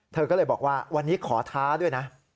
เธอก็เลยบอกว่าวันนี้ขอท้าด้วยนะ